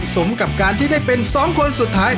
สมกับการที่ได้เป็น๒คนสุดท้าย